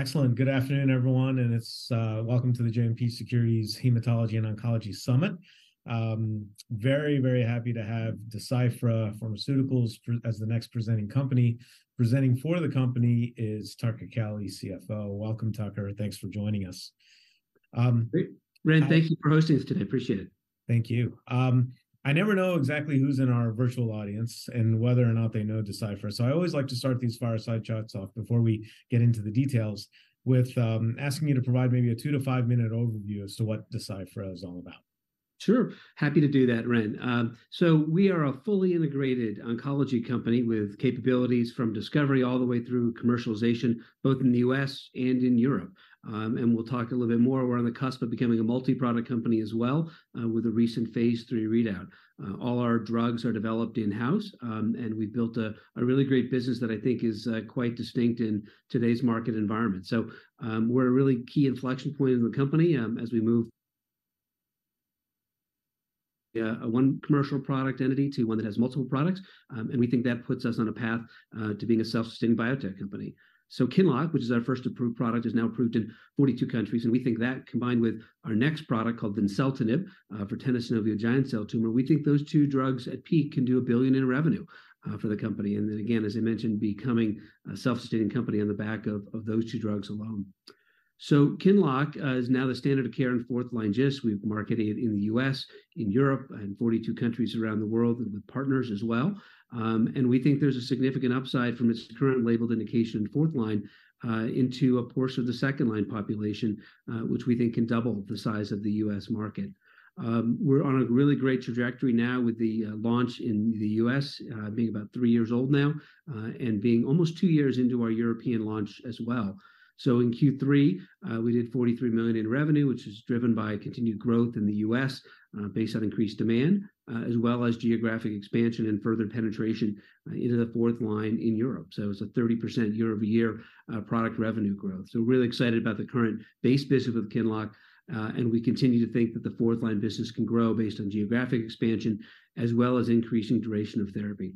Excellent. Good afternoon, everyone, and it's welcome to the JMP Securities Hematology and Oncology Summit. Very, very happy to have Deciphera Pharmaceuticals as the next presenting company. Presenting for the company is Tucker Kelly, CFO. Welcome, Tucker. Thanks for joining us. Great. Ren, thank you for hosting us today. Appreciate it. Thank you. I never know exactly who's in our virtual audience and whether or not they know Deciphera, so I always like to start these fireside chats off before we get into the details with, asking you to provide maybe a two- to five-minute overview as to what Deciphera is all about. Sure. Happy to do that, Ren. So we are a fully integrated oncology company with capabilities from discovery all the way through commercialization, both in the U.S. and in Europe. And we'll talk a little bit more. We're on the cusp of becoming a multi-product company as well, with a recent phase III readout. All our drugs are developed in-house, and we've built a really great business that I think is quite distinct in today's market environment. So, we're a really key inflection point in the company, as we move one commercial product entity to one that has multiple products. And we think that puts us on a path to being a self-sustaining biotech company. So QINLOCK, which is our first approved product, is now approved in 42 countries, and we think that, combined with our next product called vimseltinib for tenosynovial giant cell tumor, we think those two drugs at peak can do $1 billion in revenue for the company. Then again, as I mentioned, becoming a self-sustaining company on the back of those two drugs alone. So QINLOCK is now the standard of care in fourth-line GIST. We've marketed it in the U.S., in Europe, and 42 countries around the world, and with partners as well. And we think there's a significant upside from its current labeled indication in fourth line into a portion of the second-line population, which we think can double the size of the US market. We're on a really great trajectory now with the launch in the U.S. being about three years old now and being almost two years into our European launch as well. In Q3, we did $43 million in revenue, which is driven by continued growth in the US based on increased demand as well as geographic expansion and further penetration into the fourth-line in Europe. It's a 30% year-over-year product revenue growth. We're really excited about the current base business with QINLOCK and we continue to think that the fourth-line business can grow based on geographic expansion, as well as increasing duration of therapy.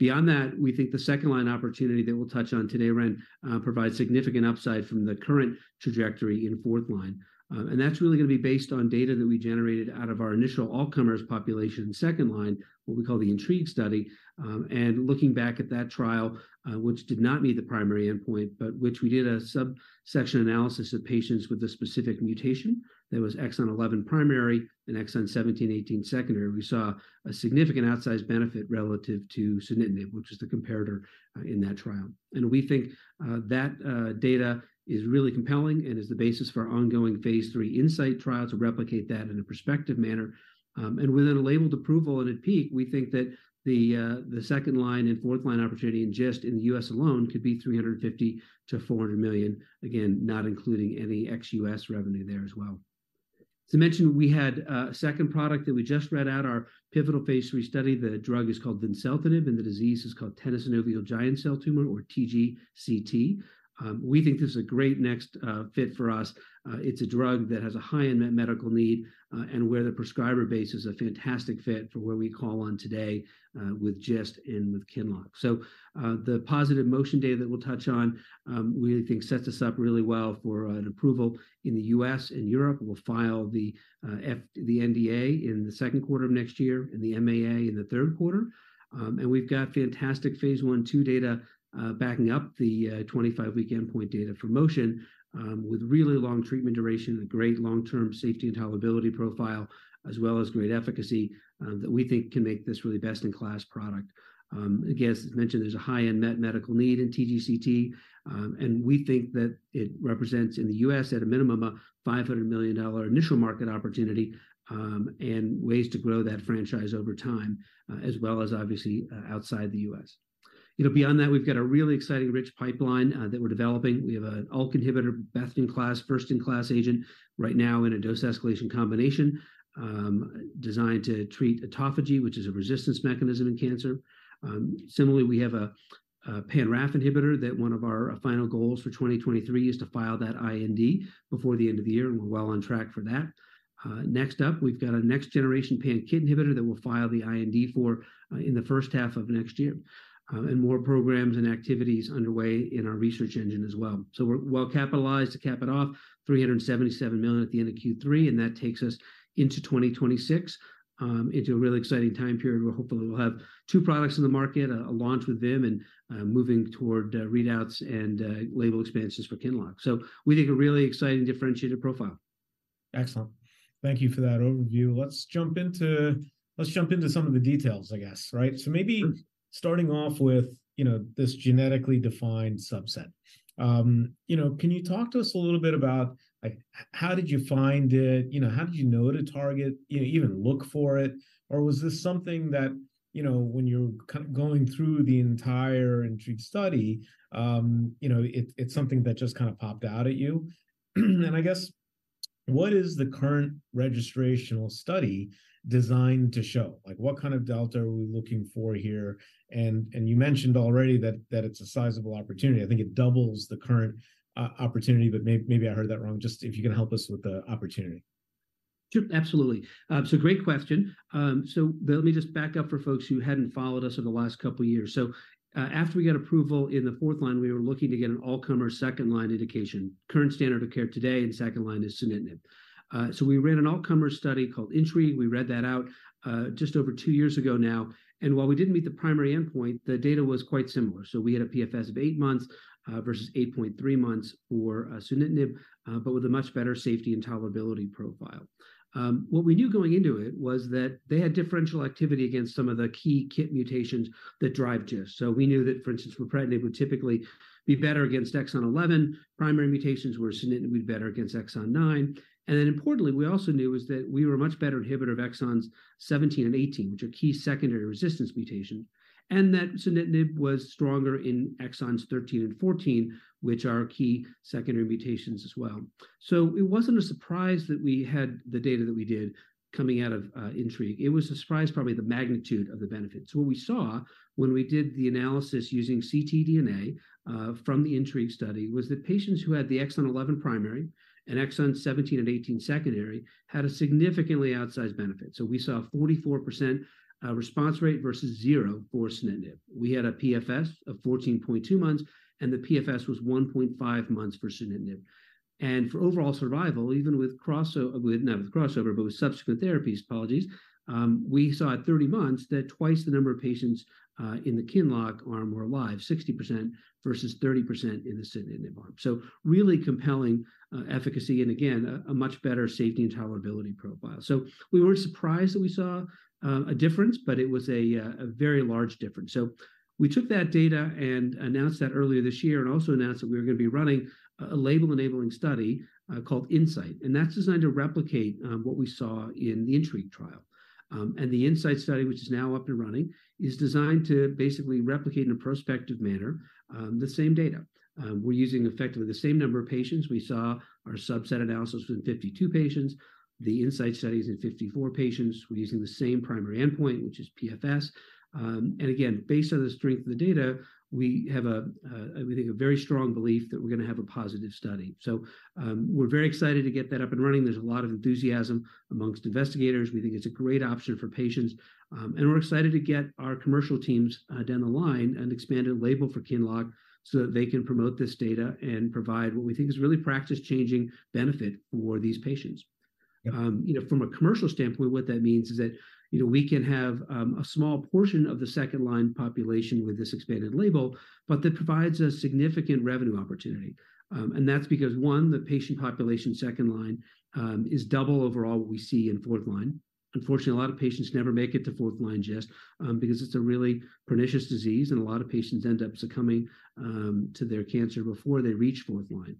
Beyond that, we think the second-line opportunity that we'll touch on today, Ren, provides significant upside from the current trajectory in fourth-line. That's really gonna be based on data that we generated out of our initial all-comers population in second line, what we call the INTRIGUE study. Looking back at that trial, which did not meet the primary endpoint, but which we did a subset analysis of patients with a specific mutation, that was exon 11 primary and exon 17/18 secondary. We saw a significant outsized benefit relative to sunitinib, which is the comparator, in that trial. We think that data is really compelling and is the basis for our ongoing phase III INSIGHT trial to replicate that in a prospective manner. With a labeled approval and at peak, we think that the second-line and fourth-line opportunity in GIST in the U.S. alone could be $350-$400 million, again, not including any ex-US revenue there as well. As I mentioned, we had a second product that we just read out, our pivotal phase 3 study. The drug is called vimseltinib, and the disease is called tenosynovial giant cell tumor, or TGCT. We think this is a great next fit for us. It's a drug that has a high unmet medical need, and where the prescriber base is a fantastic fit for where we call on today, with GIST and with QINLOCK. So, the positive MOTION data that we'll touch on, we think sets us up really well for an approval in the U.S. and Europe. We'll file the NDA in the second quarter of next year and the MAA in the third quarter. And we've got fantastic phase I and II data backing up the 25-week endpoint data for MOTION, with really long treatment duration and great long-term safety and tolerability profile, as well as great efficacy, that we think can make this really best-in-class product. Again, as mentioned, there's a high unmet medical need in TGCT, and we think that it represents, in the U.S., at a minimum, a $500 million initial market opportunity, and ways to grow that franchise over time, as well as obviously outside the U.S. You know, beyond that, we've got a really exciting rich pipeline that we're developing. We have an ULK inhibitor, best-in-class, first-in-class agent right now in a dose escalation combination, designed to treat autophagy, which is a resistance mechanism in cancer. Similarly, we have a pan-RAF inhibitor that one of our final goals for 2023 is to file that IND before the end of the year, and we're well on track for that. Next up, we've got a next-generation pan-KIT inhibitor that we'll file the IND for, in the first half of next year. And more programs and activities underway in our research engine as well. So we're well-capitalized to cap it off, $377 million at the end of Q3, and that takes us into 2026, into a really exciting time period, where hopefully we'll have two products on the market, a launch with them, and moving toward readouts and label expansions for QINLOCK. So we think a really exciting, differentiated profile. Excellent. Thank you for that overview. Let's jump into some of the details, I guess, right? Sure. So maybe starting off with, you know, this genetically defined subset. You know, can you talk to us a little bit about, like, how did you find it? You know, how did you know to target, you know, even look for it? Or was this something that, you know, when you're going through the entire INTRIGUE study, you know, it's something that just kind of popped out at you? And I guess, what is the current registrational study designed to show? Like, what kind of delta are we looking for here? And you mentioned already that it's a sizable opportunity. I think it doubles the current opportunity, but maybe I heard that wrong. Just if you can help us with the opportunity.... Sure, absolutely. So great question. So let me just back up for folks who hadn't followed us over the last couple years. So, after we got approval in the fourth line, we were looking to get an all-comer second-line indication. Current standard of care today in second line is sunitinib. So we ran an all-comer study called INTRIGUE. We read that out, just over two years ago now, and while we didn't meet the primary endpoint, the data was quite similar. So we had a PFS of eight months, versus 8.3 months for sunitinib, but with a much better safety and tolerability profile. What we knew going into it was that they had differential activity against some of the key KIT mutations that drive GIST. So we knew that, for instance, regorafenib would typically be better against exon 11 primary mutations where sunitinib would be better against exon nine. And then importantly, we also knew was that we were a much better inhibitor of exons 17 and 18, which are key secondary resistance mutations, and that sunitinib was stronger in exons 13 and 14, which are key secondary mutations as well. So it wasn't a surprise that we had the data that we did coming out of INTRIGUE. It was a surprise, probably the magnitude of the benefit. So what we saw when we did the analysis using ctDNA from the INTRIGUE study, was that patients who had the exon 11 primary and exon 17 and 18 secondary, had a significantly outsized benefit. So we saw a 44% response rate versus 0 for sunitinib. We had a PFS of 14.2 months, and the PFS was 1.5 months for sunitinib. And for overall survival, even with crossover, we didn't have with crossover, but with subsequent therapies, apologies, we saw at 30 months that twice the number of patients in the QINLOCK arm were alive, 60% versus 30% in the sunitinib arm. So really compelling efficacy and again, a much better safety and tolerability profile. So we weren't surprised that we saw a difference, but it was a very large difference. So we took that data and announced that earlier this year and also announced that we were going to be running a label-enabling study called INSIGHT, and that's designed to replicate what we saw in the INTRIGUE trial. And the INSIGHT study, which is now up and running, is designed to basically replicate in a prospective manner the same data. We're using effectively the same number of patients. We saw our subset analysis in 52 patients, the INSIGHT studies in 54 patients. We're using the same primary endpoint, which is PFS. And again, based on the strength of the data, we have a I think a very strong belief that we're going to have a positive study. So, we're very excited to get that up and running. There's a lot of enthusiasm amongst investigators. We think it's a great option for patients. And we're excited to get our commercial teams down the line an expanded label for QINLOCK so that they can promote this data and provide what we think is really practice-changing benefit for these patients. You know, from a commercial standpoint, what that means is that, you know, we can have, a small portion of the second-line population with this expanded label, but that provides a significant revenue opportunity. And that's because, one, the patient population second line, is double overall what we see in fourth line. Unfortunately, a lot of patients never make it to fourth line GIST, because it's a really pernicious disease, and a lot of patients end up succumbing, to their cancer before they reach fourth line.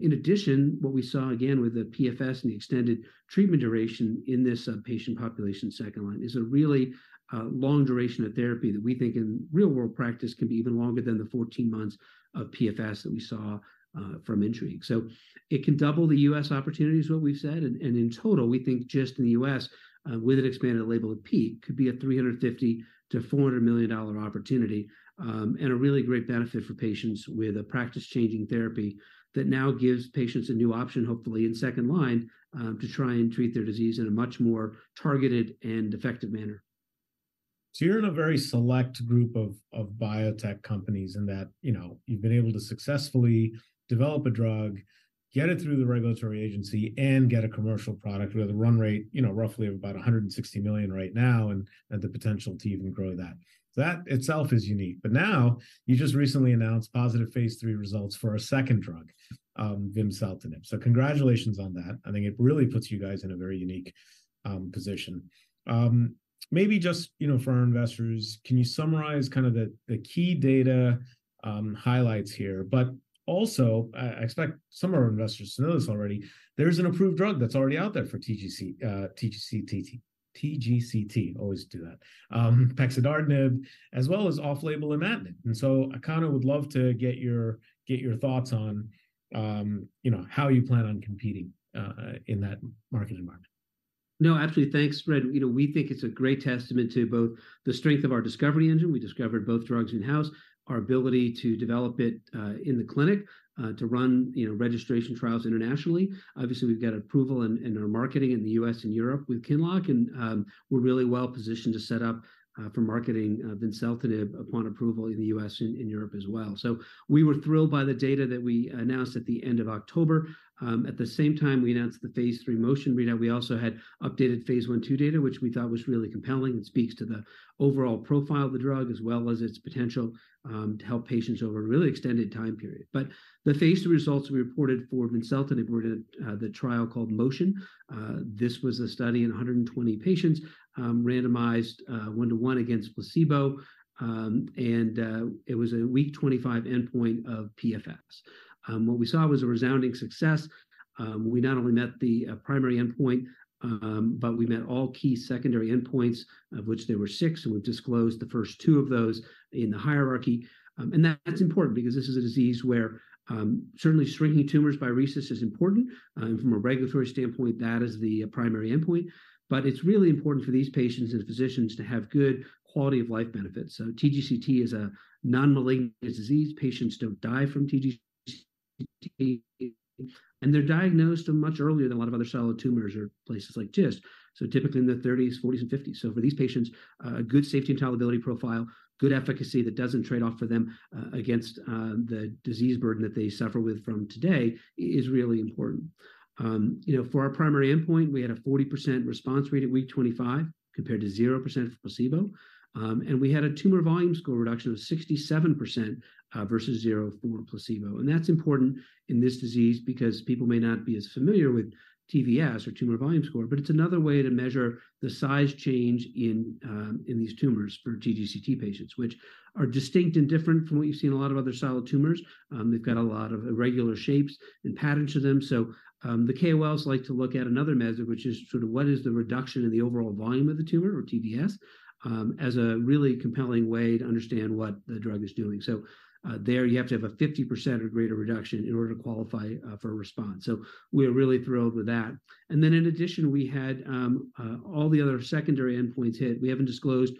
In addition, what we saw again, with the PFS and the extended treatment duration in this, patient population second line, is a really, long duration of therapy that we think in real-world practice can be even longer than the 14 months of PFS that we saw, from INTRIGUE. So it can double the US opportunity is what we've said, and, and in total, we think just in the U.S., with an expanded label of peak, could be a $350 million-$400 million opportunity. And a really great benefit for patients with a practice-changing therapy that now gives patients a new option, hopefully in second line, to try and treat their disease in a much more targeted and effective manner. So you're in a very select group of biotech companies in that, you know, you've been able to successfully develop a drug, get it through the regulatory agency, and get a commercial product with a run rate, you know, roughly of about $160 million right now, and the potential to even grow that. That itself is unique. But now, you just recently announced positive phase 3 results for a second drug, vimseltinib. So congratulations on that. I think it really puts you guys in a very unique position. Maybe just, you know, for our investors, can you summarize the key data highlights here? But also, I expect some of our investors to know this already, there's an approved drug that's already out there for TGCT, TGCT, always do that, pexidartinib, as well as off-label imatinib. And so I kind of would love to get your thoughts on, you know, how you plan on competing in that market environment. No, absolutely. Thanks, Ren. You know, we think it's a great testament to both the strength of our discovery engine, we discovered both drugs in-house, our ability to develop it in the clinic to run, you know, registration trials internationally. Obviously, we've got approval in our marketing in the U.S. and Europe with QINLOCK, and we're really well-positioned to set up for marketing vimseltinib upon approval in the U.S. and Europe as well. So we were thrilled by the data that we announced at the end of October. At the same time, we announced the phase III MOTION readout. We also had updated phase I/II data, which we thought was really compelling and speaks to the overall profile of the drug, as well as its potential to help patients over a really extended time period. But the phase II results we reported for vimseltinib were to the trial called MOTION. This was a study in 120 patients, randomized 1:1 against placebo. And it was a week 25 endpoint of PFS. What we saw was a resounding success. We not only met the primary endpoint, but we met all key secondary endpoints, of which there were six, and we've disclosed the first two of those in the hierarchy. And that's important because this is a disease where certainly shrinking tumors by RECIST is important, and from a regulatory standpoint, that is the primary endpoint. But it's really important for these patients and physicians to have good quality of life benefits. So TGCT is a non-malignant disease. Patients don't die from TGCT-... They're diagnosed much earlier than a lot of other solid tumors or places like GIST. So typically, in their thirties, forties, and fifties. So for these patients, a good safety and tolerability profile, good efficacy that doesn't trade off for them against the disease burden that they suffer with from today, is really important. You know, for our primary endpoint, we had a 40% response rate at week 25, compared to 0% for placebo. And we had a tumor volume score reduction of 67%, versus zero for placebo. And that's important in this disease because people may not be as familiar with TVS, or tumor volume score, but it's another way to measure the size change in these tumors for TGCT patients, which are distinct and different from what you see in a lot of other solid tumors. They've got a lot of irregular shapes and patterns to them. So, the KOLs like to look at another measure, which is sort of what is the reduction in the overall volume of the tumor, or TVS, as a really compelling way to understand what the drug is doing. So, there, you have to have a 50% or greater reduction in order to qualify for a response. So we're really thrilled with that. And then in addition, we had all the other secondary endpoints hit. We haven't disclosed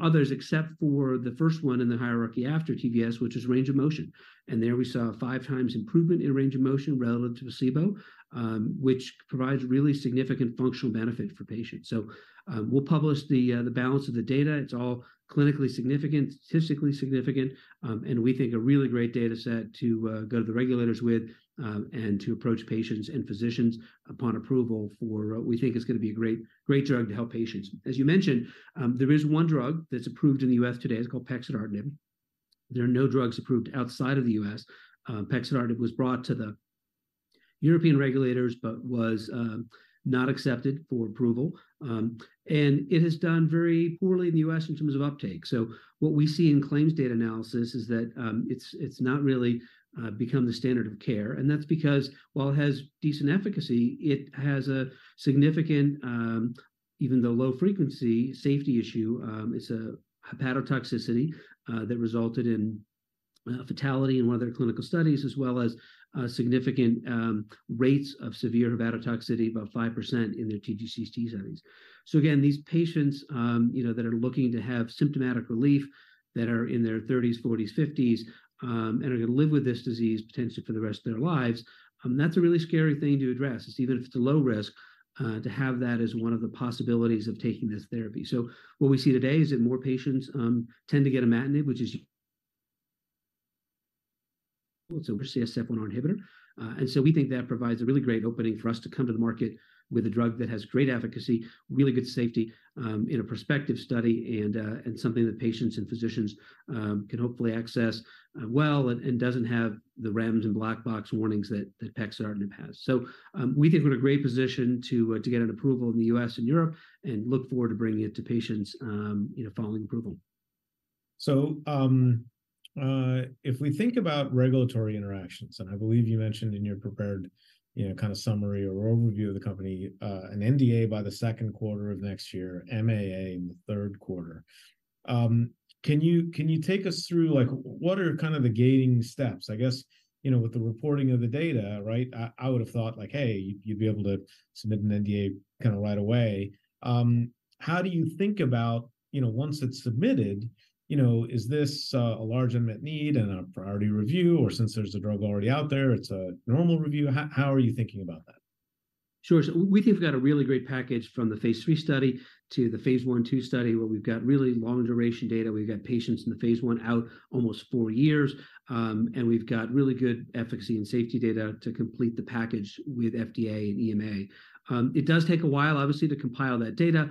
others, except for the first one in the hierarchy after TVS, which is range of motion. And there we saw a 5 times improvement in range of motion relative to placebo, which provides really significant functional benefit for patients. So, we'll publish the, the balance of the data. It's all clinically significant, statistically significant, and we think a really great data set to go to the regulators with, and to approach patients and physicians upon approval for... We think it's gonna be a great, great drug to help patients. As you mentioned, there is one drug that's approved in the U.S. today. It's called pexidartinib. There are no drugs approved outside of the US Pexidartinib was brought to the European regulators, but was not accepted for approval. It has done very poorly in the U.S. in terms of uptake. So what we see in claims data analysis is that it's not really become the standard of care, and that's because while it has decent efficacy, it has a significant, even though low frequency, safety issue. It's a hepatotoxicity that resulted in fatality in one of their clinical studies, as well as significant rates of severe hepatotoxicity, about 5% in their TGCT studies. So again, these patients, you know, that are looking to have symptomatic relief, that are in their thirties, forties, fifties, and are going to live with this disease potentially for the rest of their lives, that's a really scary thing to address. It's even if it's a low risk to have that as one of the possibilities of taking this therapy. So what we see today is that more patients tend to get imatinib, which is... well, it's a CSF1 inhibitor. And so we think that provides a really great opening for us to come to the market with a drug that has great efficacy, really good safety, in a prospective study, and something that patients and physicians can hopefully access, well and doesn't have the REMS and black box warnings that pexidartinib has. So, we think we're in a great position to get an approval in the US and Europe, and look forward to bringing it to patients, you know, following approval. If we think about regulatory interactions, and I believe you mentioned in your prepared, you know, kind of summary or overview of the company, an NDA by the second quarter of next year, MAA in the third quarter. Can you take us through, like, what are kind of the gating steps? I guess, you know, with the reporting of the data, right, I would have thought, like, "Hey, you'd be able to submit an NDA kind of right away." How do you think about, you know, once it's submitted, you know, is this a large unmet need and a priority review, or since there's a drug already out there, it's a normal review? How are you thinking about that? Sure. So we think we've got a really great package from the phase III study to the phase I and II study, where we've got really long duration data. We've got patients in the phase I out almost four years, and we've got really good efficacy and safety data to complete the package with FDA and EMA. It does take a while, obviously, to compile that data,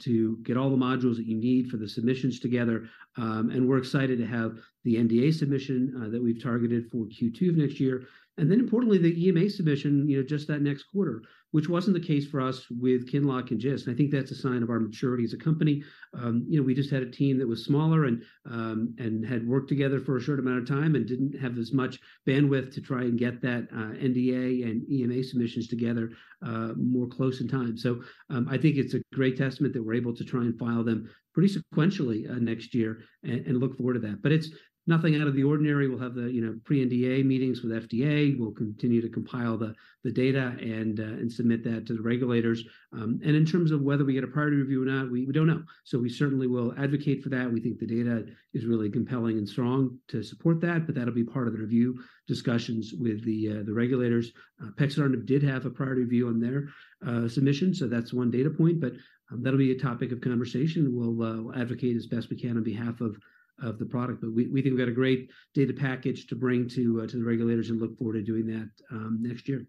to get all the modules that you need for the submissions together. And we're excited to have the NDA submission, that we've targeted for Q2 of next year. And then importantly, the EMA submission, you know, just that next quarter, which wasn't the case for us with QINLOCK and GIST. I think that's a sign of our maturity as a company. You know, we just had a team that was smaller and had worked together for a short amount of time and didn't have as much bandwidth to try and get that NDA and EMA submissions together more close in time. So, I think it's a great testament that we're able to try and file them pretty sequentially next year, and look forward to that. But it's nothing out of the ordinary. We'll have the, you know, pre-NDA meetings with FDA. We'll continue to compile the data and submit that to the regulators. And in terms of whether we get a priority review or not, we don't know. So we certainly will advocate for that. We think the data is really compelling and strong to support that, but that'll be part of the review discussions with the, the regulators. Pexidartinib did have a priority review on their, submission, so that's one data point, but that'll be a topic of conversation. We'll, advocate as best we can on behalf of, of the product. But we, we think we've got a great data package to bring to, to the regulators and look forward to doing that, next year.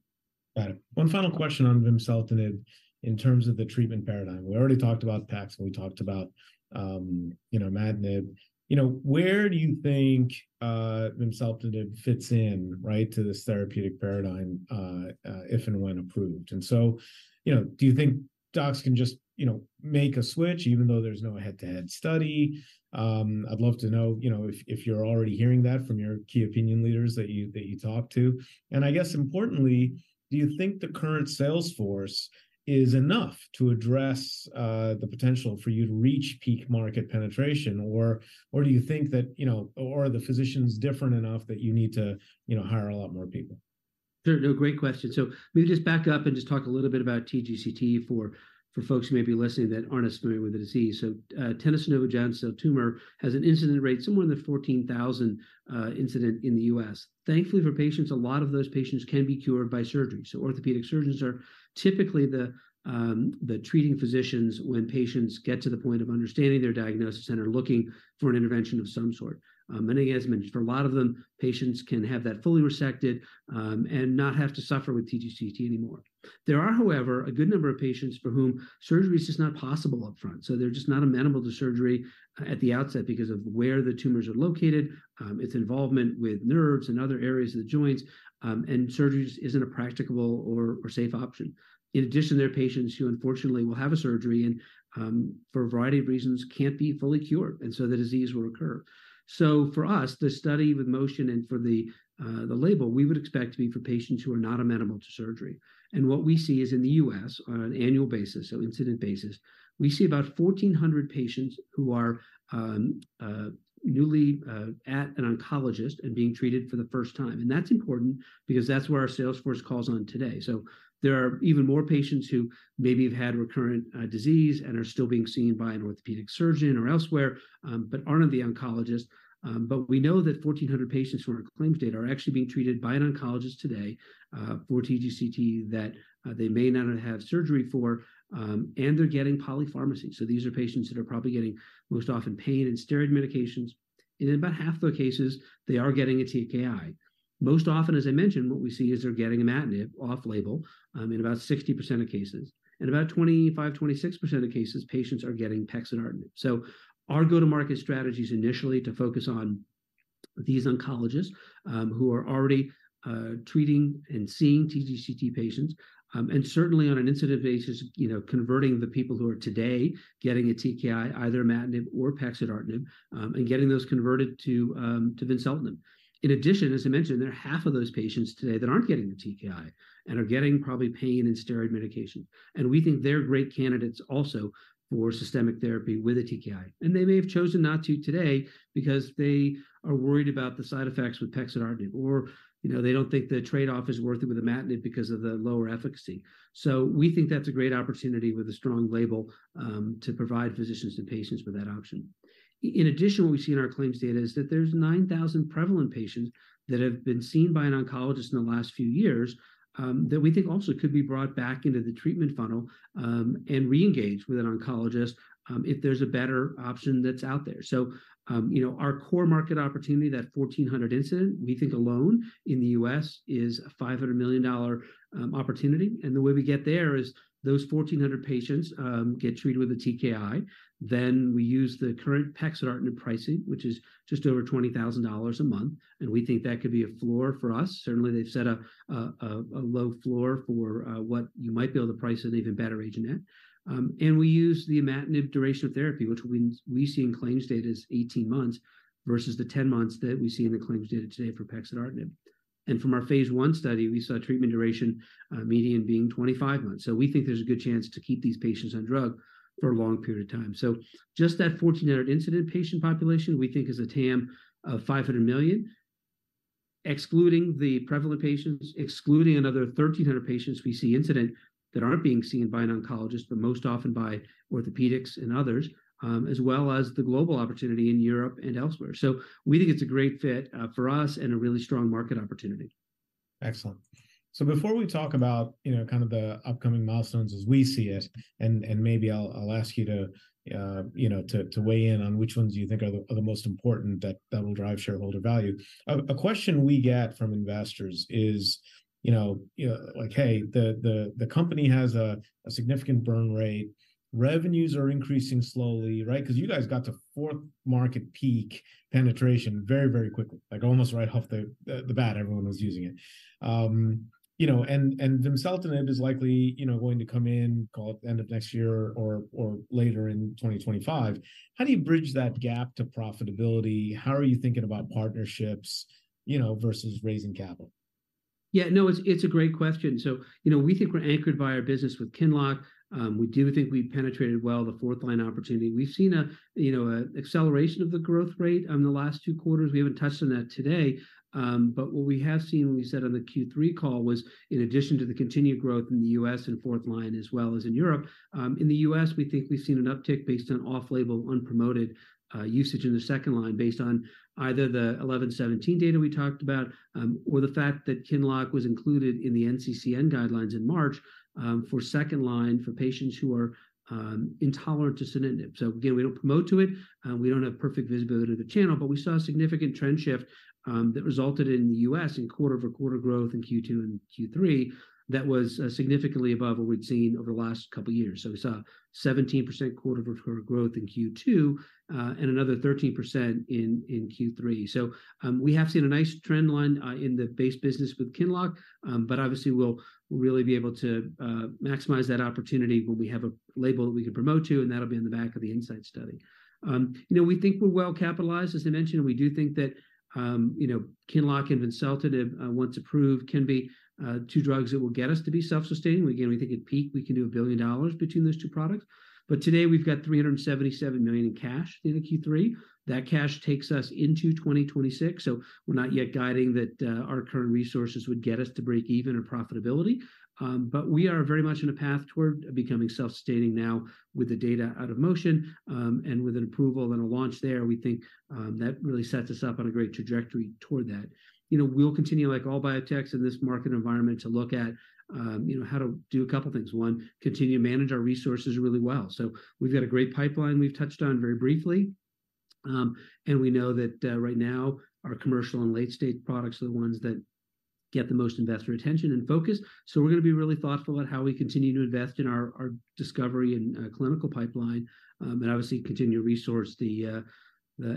Got it. One final question on vimseltinib in terms of the treatment paradigm. We already talked about pexidartinib, and we talked about, you know, imatinib. You know, where do you think vimseltinib fits in, right, to this therapeutic paradigm, if and when approved? And so, you know, do you think docs can just, you know, make a switch, even though there's no head-to-head study? I'd love to know, you know, if, if you're already hearing that from your key opinion leaders that you, that you talk to. And I guess importantly, do you think the current sales force is enough to address, the potential for you to reach peak market penetration? Or, or do you think that, you know, or are the physicians different enough that you need to, you know, hire a lot more people? Sure, no, great question. So let me just back up and just talk a little bit about TGCT for folks who may be listening that aren't familiar with the disease. So, tenosynovial giant cell tumor has an incidence rate somewhere in the 14,000 incidence in the U.S. Thankfully, for patients, a lot of those patients can be cured by surgery. So orthopedic surgeons are typically the treating physicians when patients get to the point of understanding their diagnosis and are looking for an intervention of some sort. And as I mentioned, for a lot of them, patients can have that fully resected and not have to suffer with TGCT anymore. There are, however, a good number of patients for whom surgery is just not possible upfront, so they're just not amenable to surgery at the outset because of where the tumors are located, its involvement with nerves and other areas of the joints, and surgery just isn't a practicable or, or safe option. In addition, there are patients who unfortunately will have a surgery and, for a variety of reasons, can't be fully cured, and so the disease will recur. So for us, the study with MOTION and for the, the label, we would expect to be for patients who are not amenable to surgery. And what we see is in the U.S., on an annual basis, so incidence basis, we see about 1,400 patients who are newly at an oncologist and being treated for the first time. And that's important because that's where our sales force calls on today. So there are even more patients who maybe have had recurrent disease and are still being seen by an orthopedic surgeon or elsewhere, but aren't at the oncologist. But we know that 1,400 patients from our claims data are actually being treated by an oncologist today, for TGCT, that they may not have surgery for, and they're getting polypharmacy. So these are patients that are probably getting most often pain and steroid medications, and in about half the cases, they are getting a TKI. Most often, as I mentioned, what we see is they're getting imatinib off-label, in about 60% of cases. And about 25-26% of cases, patients are getting pexidartinib. So our go-to-market strategy is initially to focus on these oncologists, who are already treating and seeing TGCT patients. Certainly on an incidence basis, you know, converting the people who are today getting a TKI, either imatinib or pexidartinib, and getting those converted to vimseltinib. In addition, as I mentioned, there are half of those patients today that aren't getting the TKI and are getting probably pain and steroid medication. We think they're great candidates also for systemic therapy with a TKI. They may have chosen not to today because they are worried about the side effects with pexidartinib, or, you know, they don't think the trade-off is worth it with imatinib because of the lower efficacy. So we think that's a great opportunity with a strong label, to provide physicians and patients with that option. In addition, what we see in our claims data is that there's 9,000 prevalent patients that have been seen by an oncologist in the last few years, that we think also could be brought back into the treatment funnel, and re-engaged with an oncologist, if there's a better option that's out there. So, you know, our core market opportunity, that 1,400 incident, we think alone in the U.S., is a $500 million opportunity. And the way we get there is those 1,400 patients, get treated with a TKI, then we use the current pexidartinib pricing, which is just over $20,000 a month, and we think that could be a floor for us. Certainly, they've set up a low floor for what you might be able to price an even better agent at. And we use the imatinib duration of therapy, which we see in claims data is 18 months, versus the 10 months that we see in the claims data today for pexidartinib. And from our phase I study, we saw treatment duration, median being 25 months. So we think there's a good chance to keep these patients on drug for a long period of time. So just that 1,400 incident patient population, we think, is a TAM of $500 million, excluding the prevalent patients, excluding another 1,300 patients we see incident that aren't being seen by an oncologist, but most often by orthopedics and others, as well as the global opportunity in Europe and elsewhere. So we think it's a great fit, for us and a really strong market opportunity. Excellent. So before we talk about, you know, kind of the upcoming milestones as we see it, and maybe I'll ask you to, you know, weigh in on which ones you think are the most important that will drive shareholder value. A question we get from investors is, you know, like, "Hey, the company has a significant burn rate. Revenues are increasing slowly," right? 'Cause you guys got to fourth-market peak penetration very, very quickly. Like, almost right off the bat, everyone was using it. You know, and vimseltinib is likely, you know, going to come in, call it end of next year or later in 2025. How do you bridge that gap to profitability? How are you thinking about partnerships, you know, versus raising capital? Yeah, no, it's, it's a great question. So, you know, we think we're anchored by our business with QINLOCK. We do think we've penetrated well the fourth-line opportunity. We've seen a, you know, a acceleration of the growth rate on the last two quarters. We haven't touched on that today, but what we have seen, when we said on the Q3 call, was in addition to the continued growth in the U.S. and fourth line as well as in Europe, in the U.S., we think we've seen an uptick based on off-label, unpromoted, usage in the second-line, based on either the eleven seventeen data we talked about, or the fact that QINLOCK was included in the NCCN guidelines in March, for second-line for patients who are, intolerant to sunitinib. So again, we don't promote to it, we don't have perfect visibility of the channel, but we saw a significant trend shift, that resulted in the U.S. in quarter-over-quarter growth in Q2 and Q3 that was, significantly above what we'd seen over the last couple of years. So we saw 17% quarter-over-quarter growth in Q2, and another 13% in Q3. So, we have seen a nice trend line, in the base business with QINLOCK, but obviously, we'll really be able to, maximize that opportunity when we have a label that we can promote to, and that'll be on the back of the INSIGHT study. You know, we think we're well capitalized, as I mentioned, and we do think that, you know, Qinlock and vimseltinib, once approved, can be two drugs that will get us to be self-sustaining. Again, we think at peak, we can do $1 billion between those two products. But today, we've got $377 million in cash in Q3. That cash takes us into 2026, so we're not yet guiding that our current resources would get us to break even or profitability. But we are very much on a path toward becoming self-sustaining now with the data out of MOTION, and with an approval and a launch there, we think that really sets us up on a great trajectory toward that. You know, we'll continue, like all biotechs in this market environment, to look at, you know, how to do a couple things. One, continue to manage our resources really well. So we've got a great pipeline we've touched on very briefly, and we know that, right now, our commercial and late-stage products are the ones that get the most investor attention and focus. So we're gonna be really thoughtful about how we continue to invest in our discovery and clinical pipeline, and obviously continue to resource the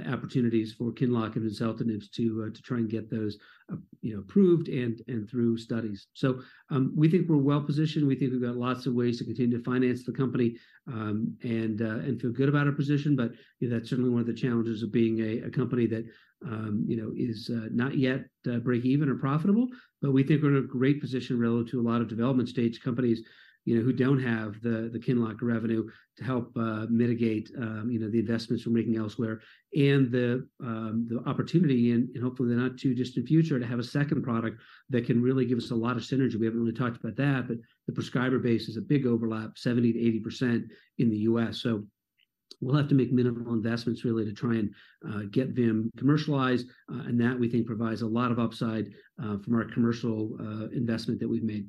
opportunities for QINLOCK and ripretinib to try and get those, you know, approved and through studies. So, we think we're well-positioned. We think we've got lots of ways to continue to finance the company, and feel good about our position, but, you know, that's certainly one of the challenges of being a company that, you know, is not yet break even or profitable. But we think we're in a great position relative to a lot of development-stage companies, you know, who don't have the QINLOCK revenue to help mitigate the investments we're making elsewhere. And the opportunity in hopefully the not-too-distant future, to have a second product that can really give us a lot of synergy. We haven't really talked about that, but the prescriber base is a big overlap, 70%-80% in the US. So we'll have to make minimal investments really to try and get them commercialized, and that we think provides a lot of upside from our commercial investment that we've made.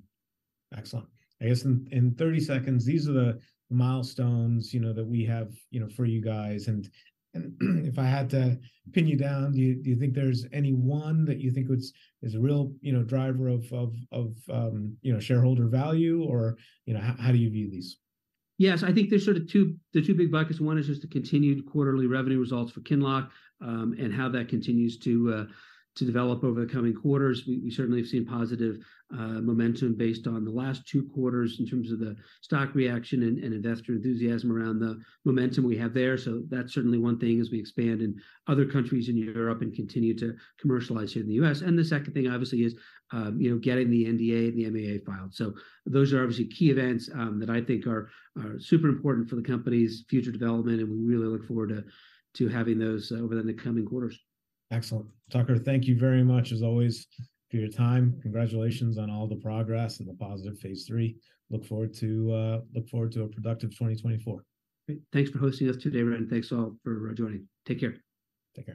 Excellent. I guess in 30 seconds, these are the milestones, you know, that we have, you know, for you guys, and if I had to pin you down, do you think there's any one that you think is a real, you know, driver of shareholder value or, you know, how do you view these? Yes, I think there's sort of the two big buckets. One is just the continued quarterly revenue results for QINLOCK, and how that continues to to develop over the coming quarters. We we certainly have seen positive momentum based on the last two quarters in terms of the stock reaction and investor enthusiasm around the momentum we have there. So that's certainly one thing as we expand in other countries in Europe and continue to commercialize here in the U.S. And the second thing obviously is, you know, getting the NDA and the MAA filed. So those are obviously key events that I think are are super important for the company's future development, and we really look forward to to having those over the coming quarters. Excellent. Tucker, thank you very much, as always, for your time. Congratulations on all the progress and the positive phase III. Look forward to a productive 2024. Great. Thanks for hosting us today, Ren, thanks all for joining. Take care. Thanks.